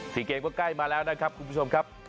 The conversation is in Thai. เกมก็ใกล้มาแล้วนะครับคุณผู้ชมครับ